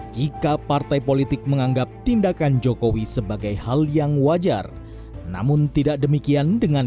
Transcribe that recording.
jika partai politik menganggap tindakan jokowi sebagai hal yang wajar namun tidak demikian dengan